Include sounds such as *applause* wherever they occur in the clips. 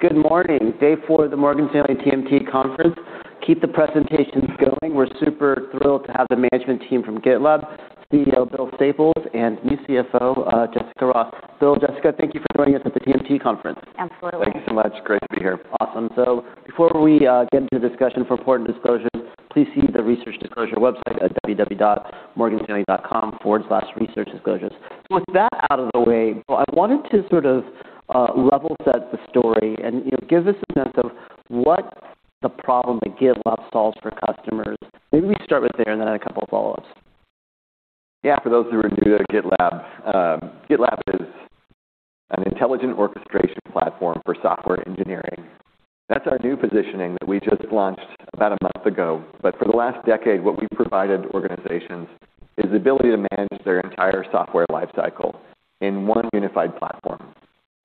Good morning. Day four of the Morgan Stanley TMT conference. Keep the presentations going. We're super thrilled to have the management team from GitLab, CEO Bill Staples and new CFO, Jessica Ross. Bill, Jessica, thank you for joining us at the TMT conference. Absolutely. Thank you so much. Great to be here. Awesome. Before we get into the discussion for important disclosures, please see the research disclosure website at www.morganstanley.com/researchdisclosures. With that out of the way, Bill, I wanted to sort of level set the story and, you know, give us a sense of what the problem that GitLab solves for customers. Maybe we start with there and then a couple of follow-ups. Yeah. For those who are new to GitLab is an intelligent orchestration platform for software engineering. That's our new positioning that we just launched about a month ago. For the last decade, what we've provided organizations is the ability to manage their entire software life cycle in one unified platform.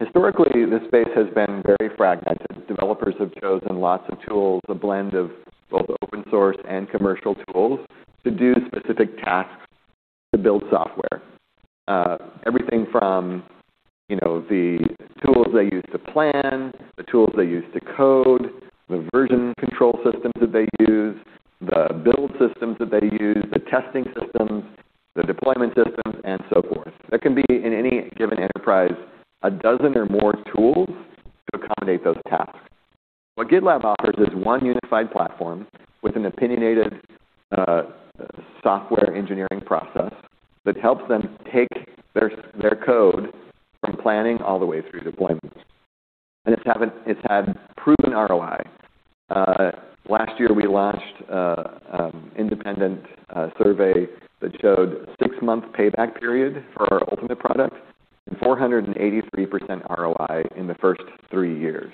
Historically, this space has been very fragmented. Developers have chosen lots of tools, a blend of both open source and commercial tools to do specific tasks to build software. Everything from, you know, the tools they use to plan, the tools they use to code, the version control systems that they use, the build systems that they use, the testing systems, the deployment systems, and so forth. There can be, in any given enterprise, a dozen or more tools to accommodate those tasks. What GitLab offers is one unified platform with an opinionated software engineering process that helps them take their code from planning all the way through deployment, and it's had proven ROI. Last year, we launched a independent survey that showed six-month payback period for our Ultimate product and 483% ROI in the first three years.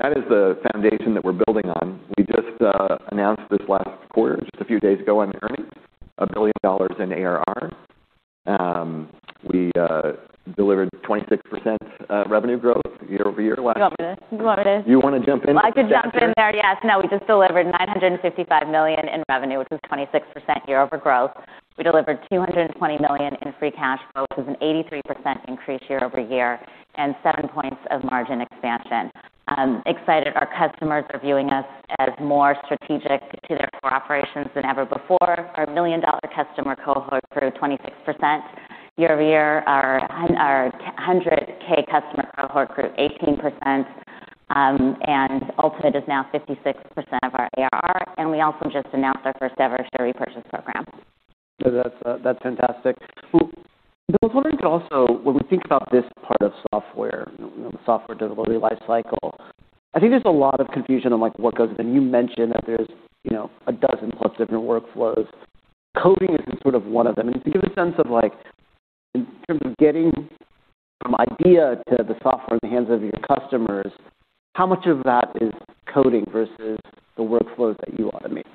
That is the foundation that we're building on. We just announced this last quarter, just a few days ago on earnings, $1 billion in ARR. We delivered 26% revenue growth year-over-year last year. Do you want it? You wanna jump in with the? *inaudible* I can jump in there, yes. No. We just delivered $955 million in revenue, which was 26% year-over-year growth. We delivered $220 million in free cash flow, which is an 83% increase year-over-year, and 7 percentage points of margin expansion. Excited our customers are viewing us as more strategic to their core operations than ever before. Our million-dollar customer cohort grew 26% year-over-year. Our 100,000 customer cohort grew 18%, and Ultimate is now 56% of our ARR, and we also just announced our first-ever Share Repurchase Program. No, that's fantastic. Bill, I was wondering also, when we think about this part of software, you know, the software delivery life cycle, I think there's a lot of confusion on, like, what goes. You mentioned that there's, you know, a dozen plus different workflows. Coding is sort of one of them. Can you give a sense of, like, in terms of getting from idea to the software in the hands of your customers, how much of that is coding versus the workflows that you automate?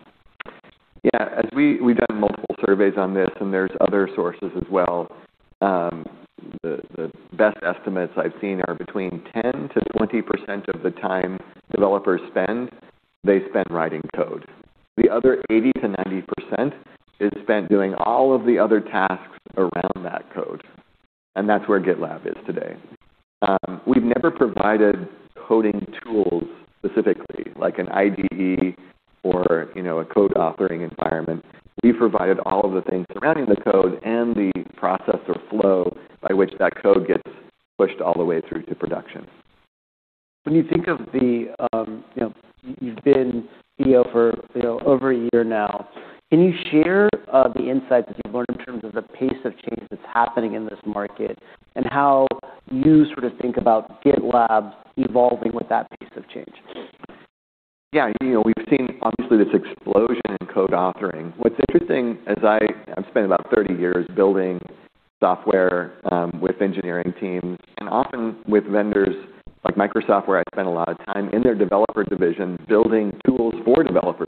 Yeah. As we've done multiple surveys on this, there's other sources as well. The best estimates I've seen are between 10%-20% of the time developers spend, they spend writing code. The other 80%-90% is spent doing all of the other tasks around that code, that's where GitLab is today. We've never provided coding tools specifically, like an IDE or, you know, a code authoring environment. We've provided all of the things surrounding the code and the process or flow by which that code gets pushed all the way through to production. When you think of the, you know, you've been CEO for, you know, over a year now, can you share the insights that you've learned in terms of the pace of change that's happening in this market and how you sort of think about GitLab evolving with that pace of change? Yeah. You know, we've seen obviously this explosion in code authoring. What's interesting, I've spent about 30 years building software, with engineering teams and often with vendors like Microsoft, where I spent a lot of time in their developer division building tools for developers.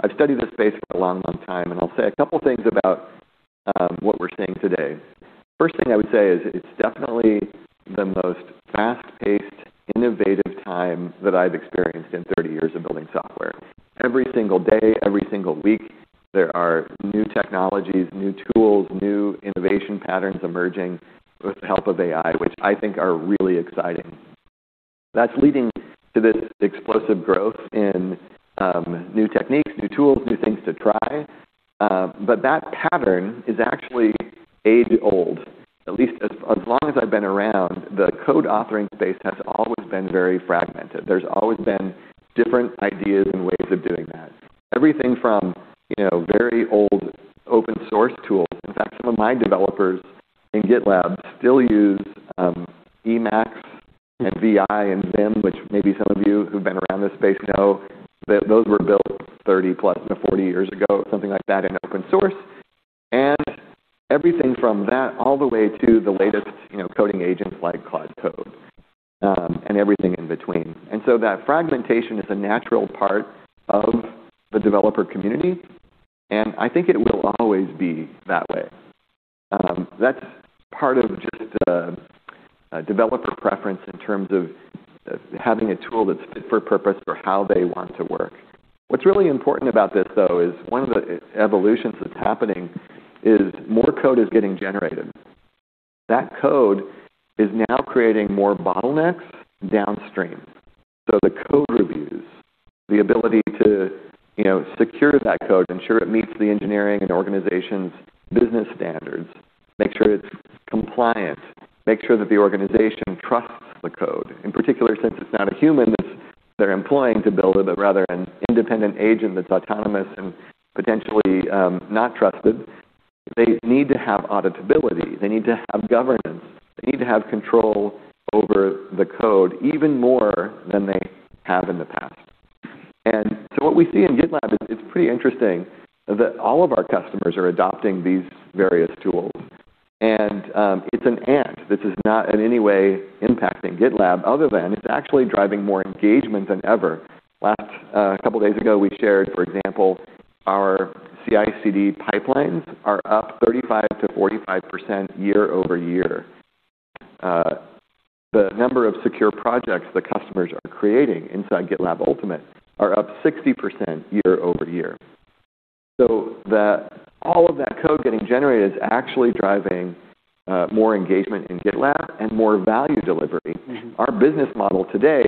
I've studied the space a long, long time, and I'll say a couple things about what we're seeing today. First thing I would say is it's definitely the most fast-paced, innovative time that I've experienced in 30 years of building software. Every single day, every single week, there are new technologies, new tools, new innovation patterns emerging with the help of AI, which I think are really exciting. That's leading to this explosive growth in new techniques, new tools, new things to try. That pattern is actually age old. At least as long as I've been around, the code authoring space has always been very fragmented. There's always been different ideas and ways of doing that. Everything from, you know, very old open source tools. In fact, some of my developers in GitLab still use Emacs and Vi and Vim, which maybe some of you who've been around this space know that those were built 30+ to 40 years ago, something like that, in open source. Everything from that all the way to the latest, you know, coding agents like Claude Code, and everything in between. That fragmentation is a natural part of the developer community, and I think it will always be that way. That's part of just a developer preference in terms of having a tool that's fit for purpose for how they want to work. What's really important about this though is one of the evolutions that's happening is more code is getting generated. That code is now creating more bottlenecks downstream. The code reviews, the ability to secure that code, ensure it meets the engineering and organization's business standards, make sure it's compliant, make sure that the organization trusts the code. In particular, since it's not a human that they're employing to build it, but rather an independent agent that's autonomous and potentially not trusted, they need to have auditability. They need to have governance. They need to have control over the code even more than they have in the past. What we see in GitLab is it's pretty interesting that all of our customers are adopting these various tools. It's an and. This is not in any way impacting GitLab other than it's actually driving more engagement than ever. A couple of days ago, we shared, for example, our CI/CD pipelines are up 35%-45% year-over-year. The number of secure projects that customers are creating inside GitLab Ultimate are up 60% year-over-year. All of that code getting generated is actually driving more engagement in GitLab and more value delivery. Our business model today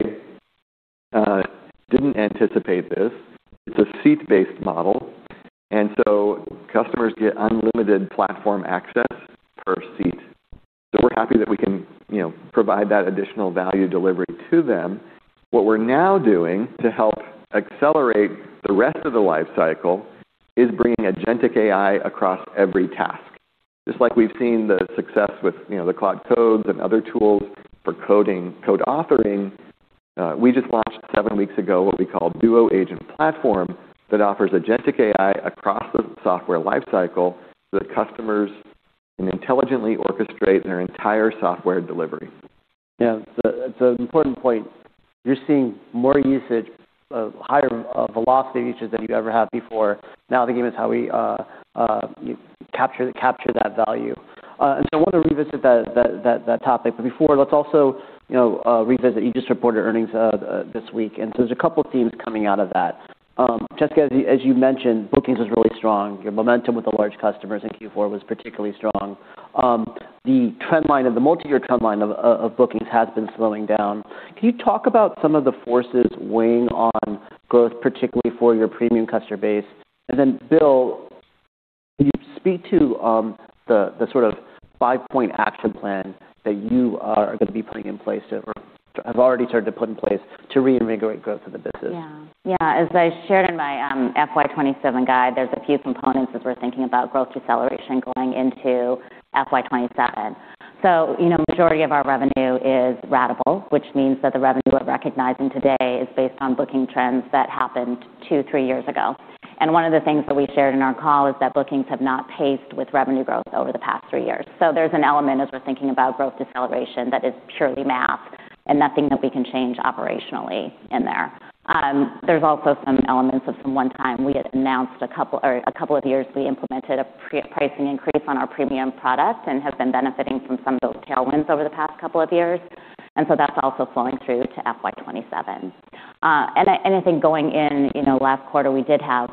didn't anticipate this. It's a seat-based model. Customers get unlimited platform access per seat. We're happy that we can provide that additional value delivery to them. What we're now doing to help accelerate the rest of the lifecycle is bringing agentic AI across every task. Just like we've seen the success with the Claude Code and other tools for code authoring, we just launched seven weeks ago what we call Duo Agent Platform that offers agentic AI across the software lifecycle so that customers can intelligently orchestrate their entire software delivery. Yeah, that's an important point. You're seeing more usage, higher velocity usage than you've ever had before. The game is how we capture that value. I want to revisit that topic. Before, let's also revisit, you just reported earnings this week. There's a couple of themes coming out of that. Jessica, as you mentioned, bookings was really strong. Your momentum with the large customers in Q4 was particularly strong. The trend line of the multi-year trend line of bookings has been slowing down. Can you talk about some of the forces weighing on growth, particularly for your Premium customer base? Bill, can you speak to the sort of five-point action plan that you are going to be putting in place or have already started to put in place to reinvigorate growth of the business? Yeah. Yeah. As I shared in my FY 2027 guide, there's a few components as we're thinking about growth deceleration going into FY 2027. Majority of our revenue is ratable, which means that the revenue we're recognizing today is based on booking trends that happened two, three years ago. One of the things that we shared in our call is that bookings have not paced with revenue growth over the past three years. There's an element as we're thinking about growth deceleration that is purely math and nothing that we can change operationally in there. There's also some elements of some one-time we had announced a couple of years we implemented a pricing increase on our Premium product and have been benefiting from some of those tailwinds over the past couple of years. That's also flowing through to FY 2027. I think going in last quarter, we did have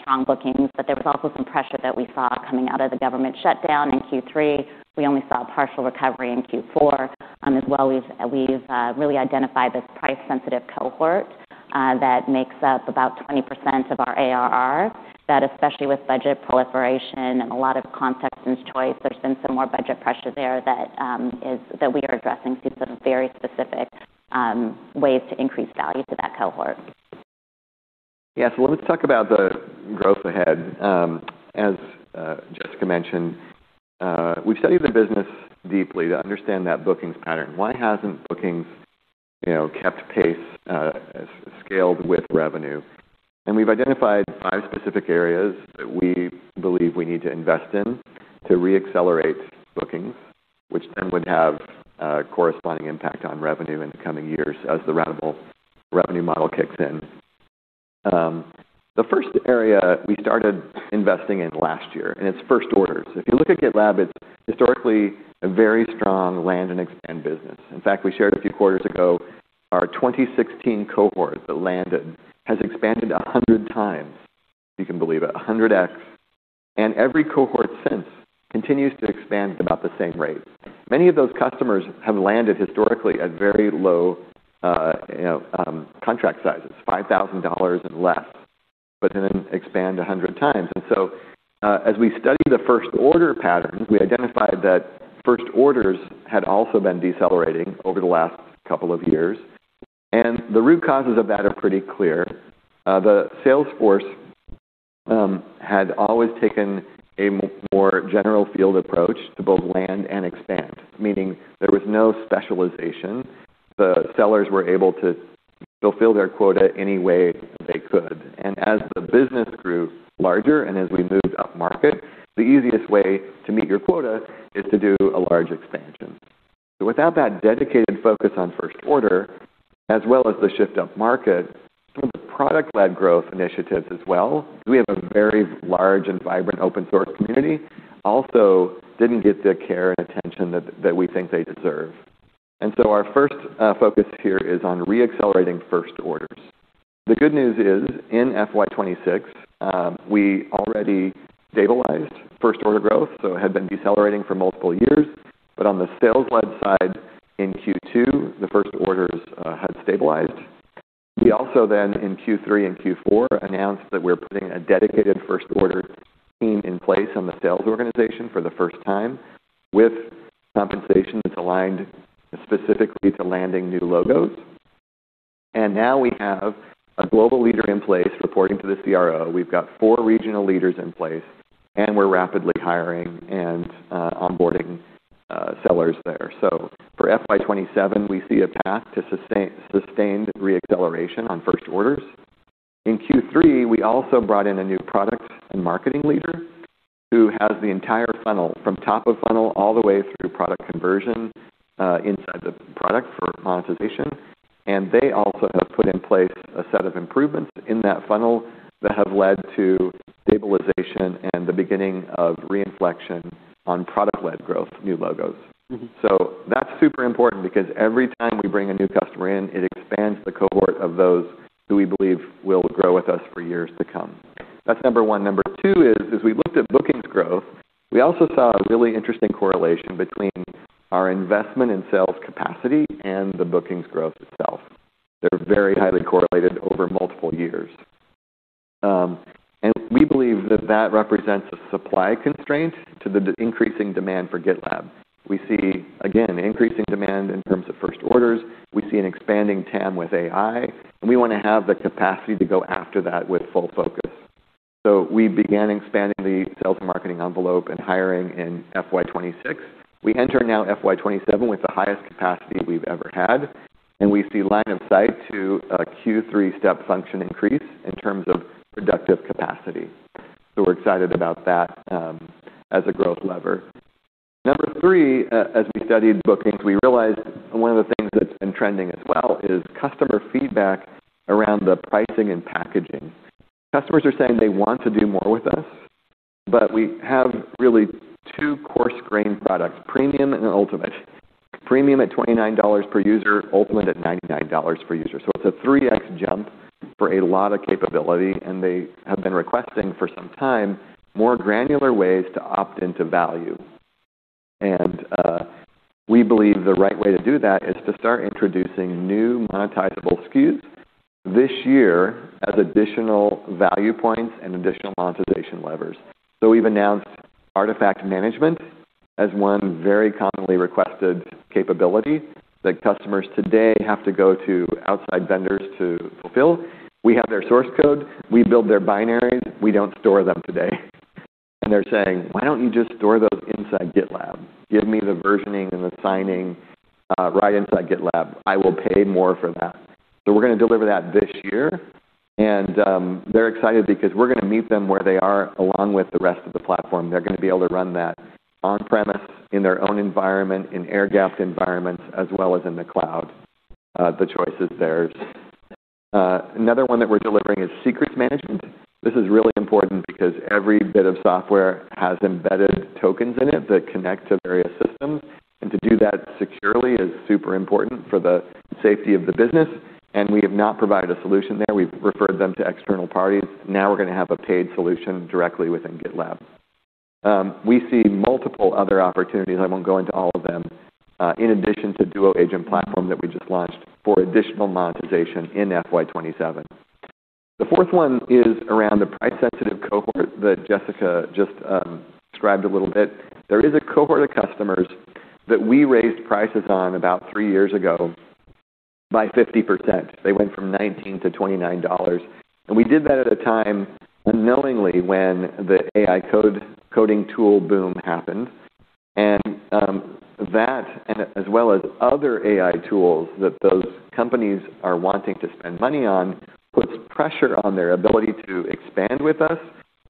strong bookings, but there was also some pressure that we saw coming out of the government shutdown in Q3. We only saw a partial recovery in Q4 as well. We've really identified this price sensitive cohort that makes up about 20% of our ARR that especially with budget proliferation and a lot of concepts and choice, there's been some more budget pressure there that we are addressing through some very specific ways to increase value to that cohort. Let me talk about the growth ahead. As Jessica mentioned, we've studied the business deeply to understand that bookings pattern. Why hasn't bookings kept pace scaled with revenue? We've identified five specific areas that we believe we need to invest in to reaccelerate bookings, which then would have a corresponding impact on revenue in the coming years as the ratable revenue model kicks in. The first area we started investing in last year, it's first orders. If you look at GitLab, it's historically a very strong land and expand business. In fact, we shared a few quarters ago, our 2016 cohort that landed has expanded 100x, if you can believe it, 100X. Every cohort since continues to expand about the same rate. Many of those customers have landed historically at very low contract sizes, $5,000 and less, but then expand 100x. As we study the first order pattern, we identified that first orders had also been decelerating over the last couple of years. The root causes of that are pretty clear. The sales force had always taken a more general field approach to both land and expand, meaning there was no specialization. The sellers were able to fulfill their quota any way they could. As the business grew larger and as we moved up market, the easiest way to meet your quota is to do a large expansion. Without that dedicated focus on first order, as well as the shift up market, some of the product-led growth initiatives as well, we have a very large and vibrant open source community, also didn't get the care and attention that we think they deserve. Our first focus here is on re-accelerating first orders. The good news is in FY 2026, we already stabilized first order growth, so it had been decelerating for multiple years. On the sales-led side in Q2, the first orders had stabilized. We also then in Q3 and Q4 announced that we're putting a dedicated first order team in place on the sales organization for the first time with compensation that's aligned specifically to landing new logos. Now we have a global leader in place reporting to the CRO. We've got four regional leaders in place, and we're rapidly hiring and onboarding sellers there. For FY 2027, we see a path to sustained re-acceleration on first orders. In Q3, we also brought in a new product and marketing leader who has the entire funnel from top of funnel all the way through product conversion inside the product for monetization. They also have put in place a set of improvements in that funnel that have led to stabilization and the beginning of reinflection on product-led growth, new logos. Mm-hmm. That's super important because every time we bring a new customer in, it expands the cohort of those who we believe will grow with us for years to come. That's number one. Number two is as we looked at bookings growth, we also saw a really interesting correlation between our investment in sales capacity and the bookings growth itself. They're very highly correlated over multiple years. We believe that that represents a supply constraint to the increasing demand for GitLab. We see, again, increasing demand in terms of first orders. We see an expanding TAM with AI, and we wanna have the capacity to go after that with full focus. We began expanding the sales and marketing envelope and hiring in FY 2026. We enter now FY 2027 with the highest capacity we've ever had. We see line of sight to a Q3 step function increase in terms of productive capacity. We're excited about that as a growth lever. Number three, as we studied bookings, we realized one of the things that's been trending as well is customer feedback around the pricing and packaging. Customers are saying they want to do more with us. We have really two coarse-grained products, Premium and Ultimate. Premium at $29 per user, Ultimate at $99 per user. It's a 3x jump for a lot of capability. They have been requesting for some time more granular ways to opt into value. We believe the right way to do that is to start introducing new monetizable SKUs this year as additional value points and additional monetization levers. We've announced artifact management as one very commonly requested capability that customers today have to go to outside vendors to fulfill. We have their source code. We build their binaries. We don't store them today. They're saying, "Why don't you just store those inside GitLab? Give me the versioning and the signing, right inside GitLab. I will pay more for that." We're gonna deliver that this year, and they're excited because we're gonna meet them where they are along with the rest of the platform. They're gonna be able to run that on-premise in their own environment, in air-gapped environments, as well as in the cloud. The choice is theirs. Another one that we're delivering is Secrets Management. This is really important because every bit of software has embedded tokens in it that connect to various systems, and to do that securely is super important for the safety of the business, and we have not provided a solution there. We've referred them to external parties. We're gonna have a paid solution directly within GitLab. We see multiple other opportunities, I won't go into all of them, in addition to GitLab Duo Agent Platform that we just launched for additional monetization in FY 2027. The fourth one is around the price-sensitive cohort that Jessica just described a little bit. There is a cohort of customers that we raised prices on about three years ago by 50%. They went from $19 to $29, we did that at a time unknowingly when the AI coding tool boom happened. That as well as other AI tools that those companies are wanting to spend money on, puts pressure on their ability to expand with us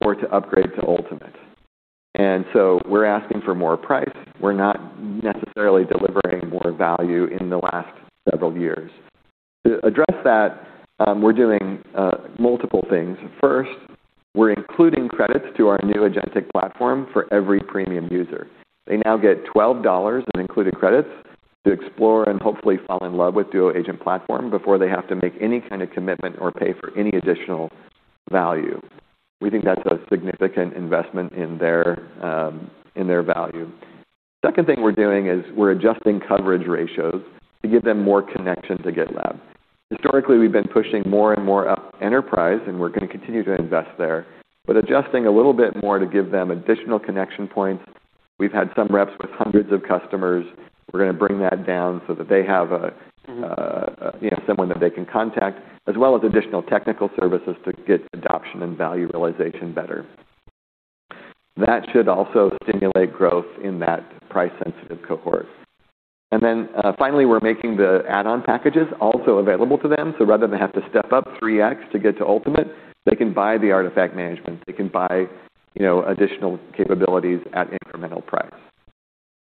or to upgrade to Ultimate. We're asking for more price. We're not necessarily delivering more value in the last several years. To address that, we're doing multiple things. First, we're including credits to our new agentic platform for every Premium user. They now get $12 in included credits to explore and hopefully fall in love with Duo Agent Platform before they have to make any kind of commitment or pay for any additional value. We think that's a significant investment in their value. Second thing we're doing is we're adjusting coverage ratios to give them more connection to GitLab. Historically, we've been pushing more and more up enterprise. We're gonna continue to invest there. Adjusting a little bit more to give them additional connection points. We've had some reps with hundreds of customers. We're gonna bring that down so that they have. You know, someone that they can contact, as well as additional technical services to get adoption and value realization better. That should also stimulate growth in that price-sensitive cohort. Finally, we're making the add-on packages also available to them. Rather than have to step up 3x to get to Ultimate, they can buy the artifact management. They can buy, you know, additional capabilities at incremental price.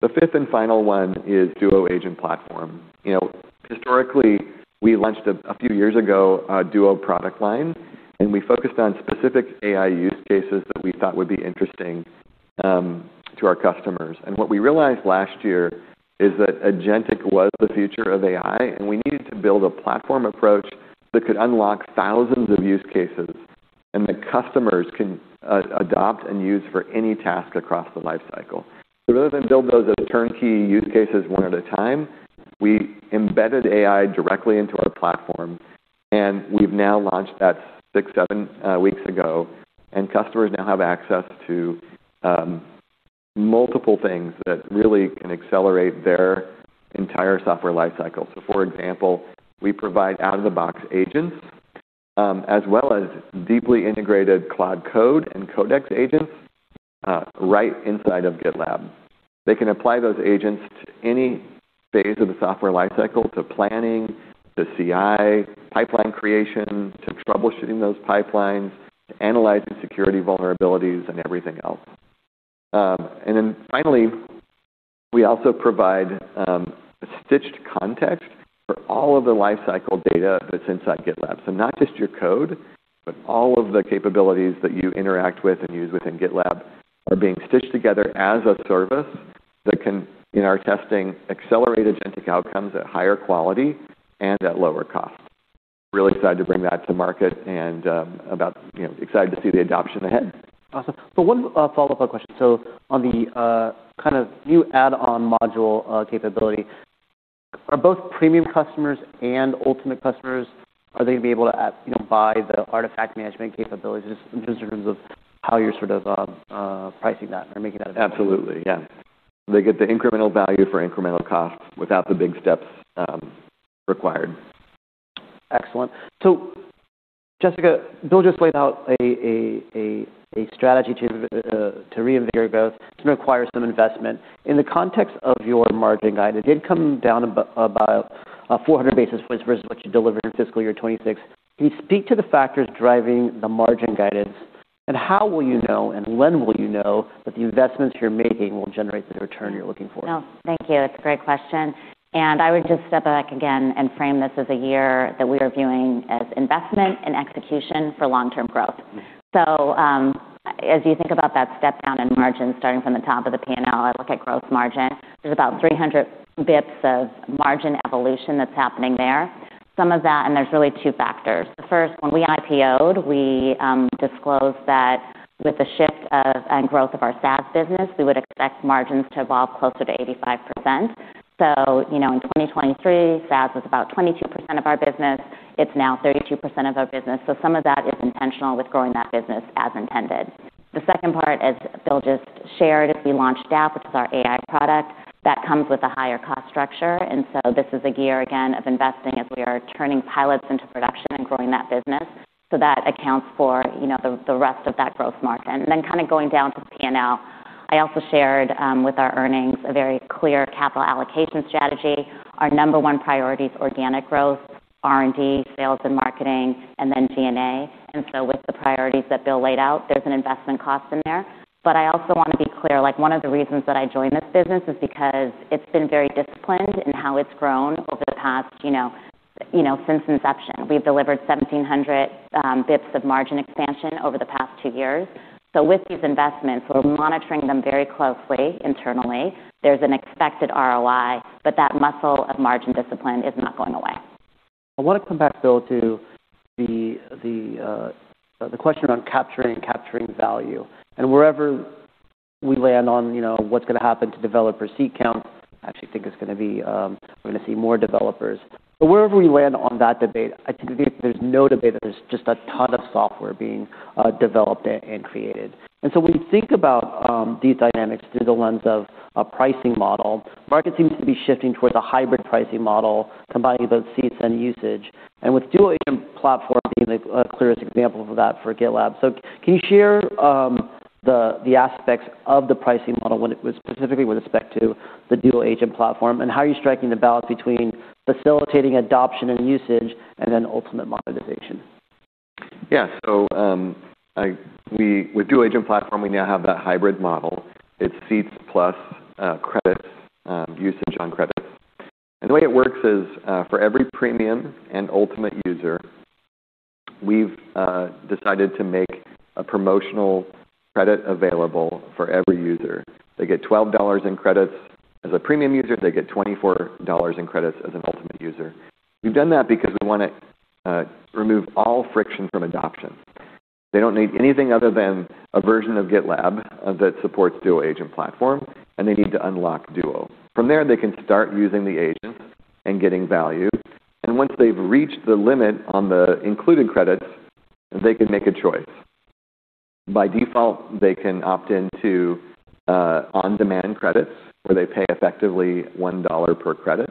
The fifth and final one is Duo Agent Platform. You know, historically, we launched a few years ago a Duo product line, and we focused on specific AI use cases that we thought would be interesting to our customers. What we realized last year is that agentic was the future of AI, and we needed to build a platform approach that could unlock thousands of use cases, and that customers can adopt and use for any task across the life cycle. Rather than build those as turnkey use cases one at a time, we embedded AI directly into our platform, and we've now launched that six, seven weeks ago, and customers now have access to multiple things that really can accelerate their entire software life cycle. For example, we provide out-of-the-box agents, as well as deeply integrated Claude Code and Codex agents, right inside of GitLab. They can apply those agents to any phase of the software life cycle, to planning, to CI, pipeline creation, to troubleshooting those pipelines, to analyzing security vulnerabilities, and everything else. Finally, we also provide a stitched context for all of the life cycle data that's inside GitLab. Not just your code, but all of the capabilities that you interact with and use within GitLab are being stitched together as a service that can, in our testing, accelerate agentic outcomes at higher quality and at lower cost. Really excited to bring that to market and, you know, excited to see the adoption ahead. Awesome. One, follow-up question. On the kind of new add-on module capability, are both Premium customers and Ultimate customers, are they gonna be able to, you know, buy the artifact management capabilities just in terms of how you're sort of pricing that or making that available? Absolutely, yeah. They get the incremental value for incremental cost without the big steps required. Excellent. Jessica, Bill just laid out a strategy to reinvigorate growth. It's gonna require some investment. In the context of your margin guide, it did come down about 400 basis points versus what you delivered in fiscal year 2026. Can you speak to the factors driving the margin guidance? How will you know, and when will you know that the investments you're making will generate the return you're looking for? No, thank you. That's a great question. I would just step back again and frame this as a year that we are viewing as investment and execution for long-term growth. As you think about that step down in margin starting from the top of the P&L, I look at gross margin. There's about 300 basis points of margin evolution that's happening there. Some of that, and there's really two factors. The first, when we IPO'd, we disclosed that with the shift of and growth of our SaaS business, we would expect margins to evolve closer to 85%. You know, in 2023, SaaS was about 22% of our business. It's now 32% of our business. Some of that is intentional with growing that business as intended. The second part, as Bill just shared, is we launched Duo, which is our AI product. That comes with a higher cost structure. This is a year, again, of investing as we are turning pilots into production and growing that business. That accounts for, you know, the rest of that gross margin. Then kinda going down to P&L, I also shared with our earnings a very clear capital allocation strategy. Our number one priority is organic growth, R&D, sales and marketing, and then G&A. With the priorities that Bill laid out, there's an investment cost in there. I also wanna be clear, like one of the reasons that I joined this business is because it's been very disciplined in how it's grown over the past, you know, since inception. We've delivered 1,700 basis points of margin expansion over the past two years. With these investments, we're monitoring them very closely internally. There's an expected ROI, but that muscle of margin discipline is not going away. I wanna come back, Bill, to the question around capturing value. Wherever we land on, you know, what's gonna happen to developer seat count, I actually think it's gonna be, we're gonna see more developers. Wherever we land on that debate, I think there's no debate that there's just a ton of software being developed and created. When you think about these dynamics through the lens of a pricing model, market seems to be shifting towards a hybrid pricing model combining both seats and usage. With Duo Agent Platform being the clearest example of that for GitLab. Can you share the aspects of the pricing model when it was specifically with respect to the Duo Agent Platform, and how are you striking the balance between facilitating adoption and usage and then ultimate monetization? With GitLab Duo Agent Platform, we now have that hybrid model. It's seats plus credits, usage on credits. The way it works is, for every Premium and Ultimate user, we've decided to make a promotional credit available for every user. They get $12 in credits as a Premium user. They get $24 in credits as an Ultimate user. We've done that because we wanna remove all friction from adoption. They don't need anything other than a version of GitLab that supports GitLab Duo Agent Platform, and they need to unlock Duo. They can start using the agent and getting value. Once they've reached the limit on the included credits, they can make a choice. By default, they can opt into on-demand credits, where they pay effectively $1 per credit,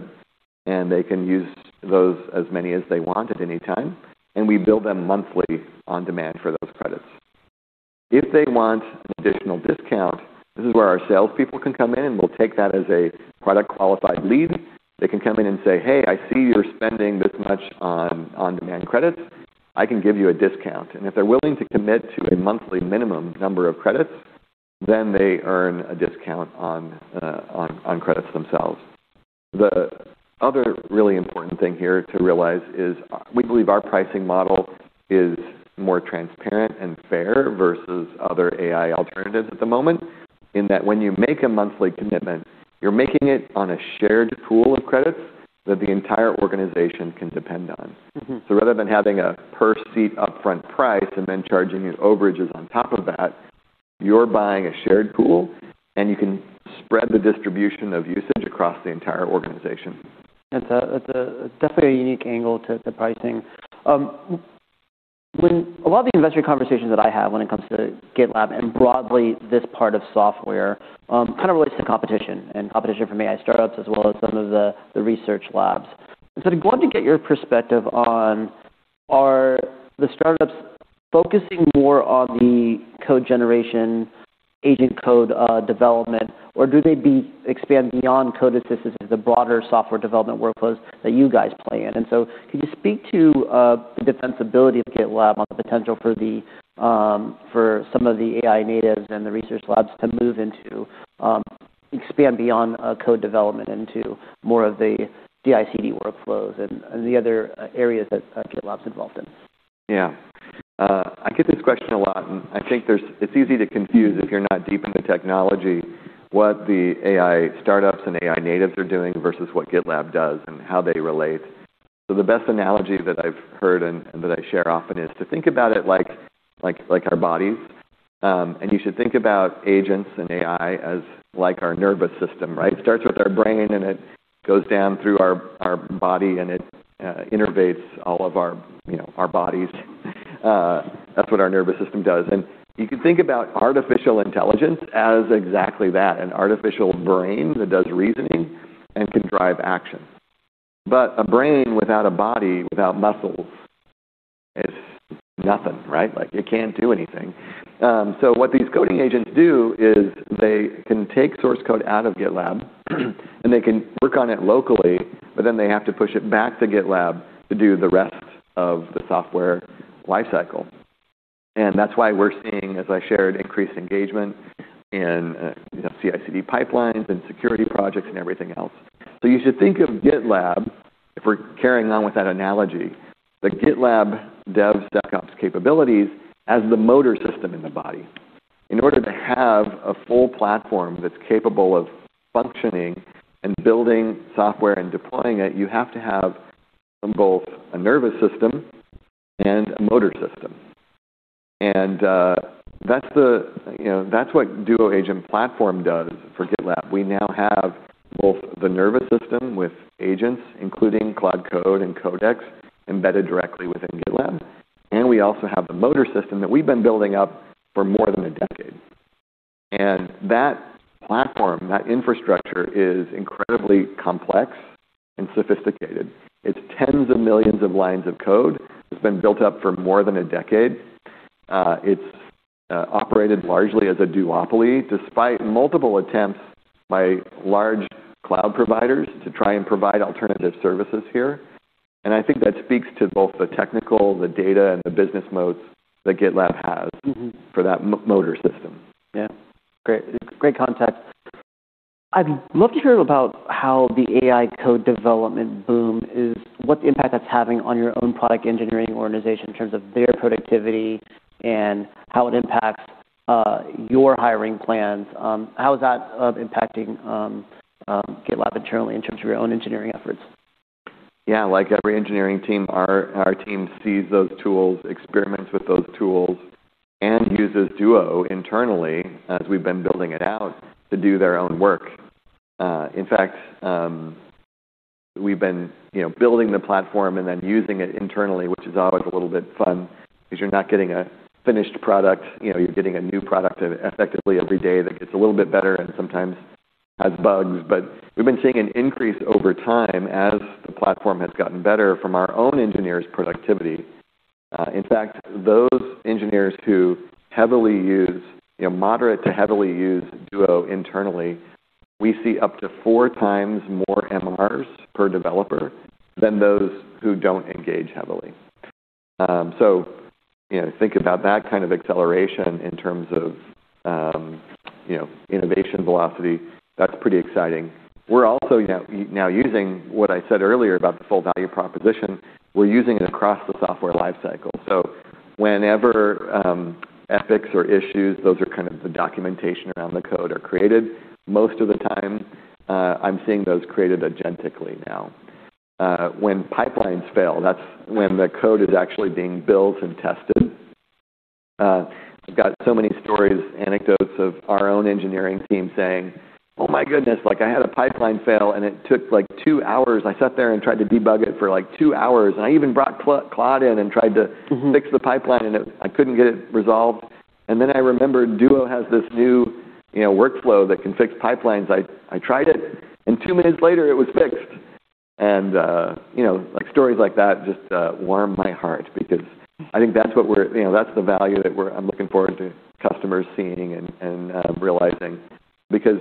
and they can use those as many as they want at any time, and we bill them monthly on demand for those credits. If they want an additional discount, this is where our salespeople can come in, and we'll take that as a product qualified lead. They can come in and say, "Hey, I see you're spending this much on on-demand credits. I can give you a discount." If they're willing to commit to a monthly minimum number of credits, then they earn a discount on credits themselves. The other really important thing here to realize is, we believe our pricing model is more transparent and fair versus other AI alternatives at the moment, in that when you make a monthly commitment, you're making it on a shared pool of credits that the entire organization can depend on. Rather than having a per-seat upfront price and then charging you overages on top of that, you're buying a shared pool, and you can spread the distribution of usage across the entire organization. That's definitely a unique angle to pricing. A lot of the investor conversations that I have when it comes to GitLab and broadly this part of software kind of relates to competition and competition from AI startups as well as some of the research labs. I'd be glad to get your perspective on are the startups focusing more on the code generation agent code development, or do they expand beyond code assistance, the broader software development workflows that you guys play in? Can you speak to the defensibility of GitLab on the potential for some of the AI natives and the research labs to move into expand beyond code development into more of the CI/CD workflows and the other areas that GitLab's involved in? I get this question a lot, I think it's easy to confuse if you're not deep into technology what the AI startups and AI natives are doing versus what GitLab does and how they relate. The best analogy that I've heard and that I share often is to think about it like our bodies. You should think about agents and AI as like our nervous system, right? It starts with our brain, and it goes down through our body, and it innervates all of our, you know, our bodies. That's what our nervous system does. You can think about artificial intelligence as exactly that, an artificial brain that does reasoning and can drive action. A brain without a body, without muscles, is nothing, right? Like, it can't do anything. What these coding agents do is they can take source code out of GitLab, and they can work on it locally, but then they have to push it back to GitLab to do the rest of the software life cycle. That's why we're seeing, as I shared, increased engagement in, you know, CI/CD pipelines and security projects and everything else. You should think of GitLab, if we're carrying on with that analogy, the GitLab DevSecOps capabilities as the motor system in the body. In order to have a full platform that's capable of functioning and building software and deploying it, you have to have both a nervous system and a motor system. That's the, you know, that's what Duo Agent Platform does for GitLab. We now have both the nervous system with agents, including Claude Code and Codex embedded directly within GitLab, and we also have the motor system that we've been building up for more than a decade. That platform, that infrastructure, is incredibly complex and sophisticated. It's tens of millions of lines of code. It's been built up for more than a decade. It's operated largely as a duopoly despite multiple attempts by large cloud providers to try and provide alternative services here. I think that speaks to both the technical, the data, and the business modes that GitLab has for that motor system. Great, great context. I'd love to hear about how the AI code development boom is what impact that's having on your own product engineering organization in terms of their productivity and how it impacts your hiring plans. How is that impacting GitLab internally in terms of your own engineering efforts? Yeah. Like every engineering team, our team sees those tools, experiments with those tools, and uses Duo internally as we've been building it out to do their own work. In fact, we've been, you know, building the platform and then using it internally, which is always a little bit fun because you're not getting a finished product. You know, you're getting a new product effectively every day that gets a little bit better and sometimes has bugs. We've been seeing an increase over time as the platform has gotten better from our own engineers' productivity. In fact, those engineers who heavily use, you know, moderate to heavily use Duo internally, we see up to 4x more MRs per developer than those who don't engage heavily. Think about that kind of acceleration in terms of, you know, innovation velocity. That's pretty exciting. We're also, you know, now using what I said earlier about the full value proposition, we're using it across the software lifecycle. Whenever epics or issues, those are kind of the documentation around the code, are created, most of the time, I'm seeing those created agentically now. When pipelines fail, that's when the code is actually being built and tested. I've got so many stories, anecdotes of our own engineering team saying, "Oh my goodness, like, I had a pipeline fail, and it took, like, two hours. I sat there and tried to debug it for, like, two hours, and I even brought Claude in and tried to fix the pipeline, I couldn't get it resolved. Then I remembered Duo has this new, you know, workflow that can fix pipelines. I tried it, and two minutes later it was fixed." You know, like, stories like that just warm my heart because I think that's what we're, you know, that's the value that we're, I'm looking forward to customers seeing and realizing because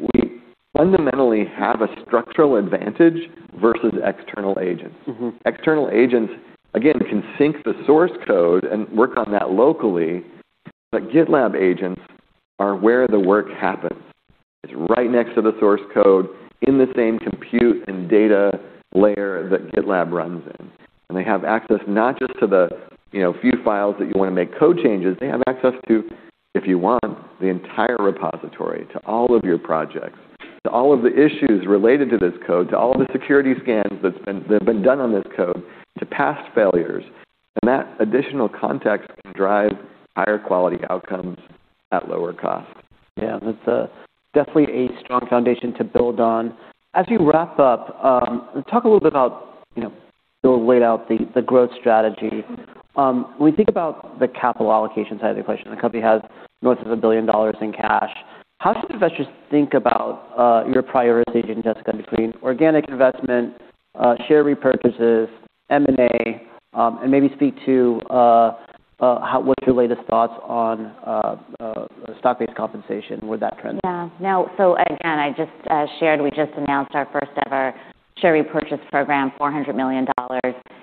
we fundamentally have a structural advantage versus external agents. Mm-hmm. External agents, again, can sync the source code and work on that locally. GitLab agents are where the work happens. It's right next to the source code in the same compute and data layer that GitLab runs in. They have access not just to the, you know, few files that you wanna make code changes. They have access to, if you want, the entire repository to all of your projects, to all of the issues related to this code, to all of the security scans that have been done on this code, to past failures. That additional context can drive higher quality outcomes at lower cost. Yeah. That's definitely a strong foundation to build on. As we wrap up, talk a little bit about, you know, Bill laid out the growth strategy. When we think about the capital allocation side of the question, the company has north of $1 billion in cash. How should investors think about your priorities, Jessica, between organic investment, share repurchases, M&A, and maybe speak to what's your latest thoughts on stock-based compensation with that trend? Yeah. Again, I just shared we just announced our first-ever Share Repurchase Program, $400 million.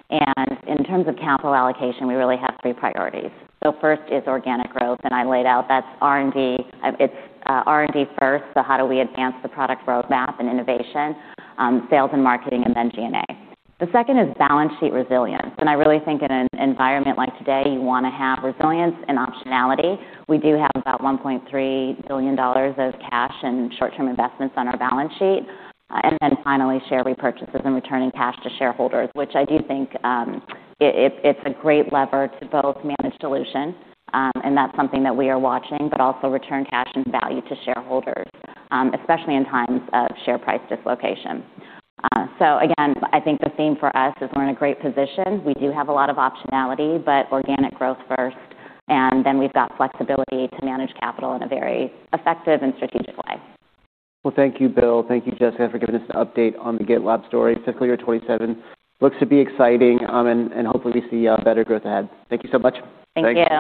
In terms of capital allocation, we really have three priorities. First is organic growth, and I laid out that's R&D. It's R&D first, how do we advance the product roadmap and innovation, sales and marketing, and then G&A. The second is balance sheet resilience. I really think in an environment like today, you wanna have resilience and optionality. We do have about $1.3 billion of cash and short-term investments on our balance sheet. Finally, share repurchases and returning cash to shareholders, which I do think it's a great lever to both manage dilution, and that's something that we are watching, but also return cash and value to shareholders, especially in times of share price dislocation. Again, I think the theme for us is we're in a great position. We do have a lot of optionality, but organic growth first, and then we've got flexibility to manage capital in a very effective and strategic way. Well, thank you, Bill. Thank you, Jessica, for giving us the update on the GitLab story. Fiscal year 2027 looks to be exciting, and hopefully we see better growth ahead. Thank you so much. Thank you.